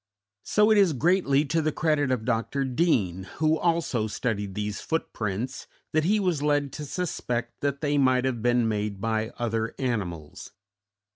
So it is greatly to the credit of Dr. Deane, who also studied these footprints, that he was led to suspect that they might have been made by other animals.